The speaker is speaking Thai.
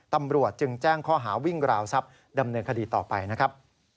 ตำรวจจึงแจ้งข้อหาวิ่งราวทรัพย์ดำเนินคดีต่อไปนะครับ